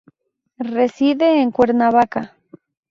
Reside en Cuernavaca.